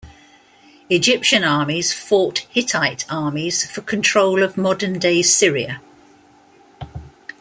Egyptian armies fought Hittite armies for control of modern-day Syria.